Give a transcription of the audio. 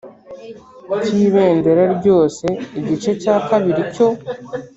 Cy’ibendera ryose. Igice cya kabiri cyo